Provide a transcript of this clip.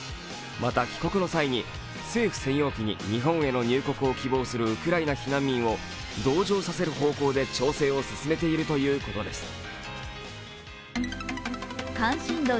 また帰国の際に政府専用機に日本の入国を希望するウクライナ避難民を同乗させる方向で調整を進めているということです。